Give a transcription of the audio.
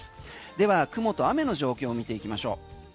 では雲と雨の状況を見ていきましょう。